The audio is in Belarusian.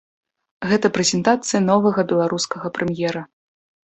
Гэта прэзентацыя новага беларускага прэм'ера.